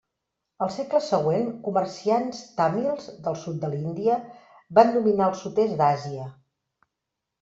Al segle següent comerciants tàmils del sud de l'Índia van dominar el sud-est d'Àsia.